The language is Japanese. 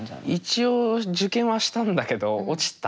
一応受験はしたんだけど落ちた。